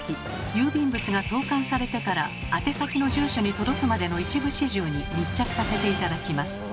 郵便物が投かんされてから宛先の住所に届くまでの一部始終に密着させて頂きます。